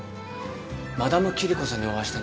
マダムキリコさんにお会いしたいんですが。